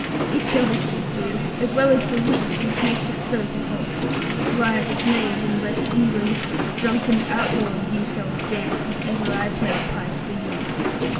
It shall be seen to, as well as the witch which makes it so to halt. Riotous knaves in West England, drunken outlaws, you shall dance, if ever I play pipe for you.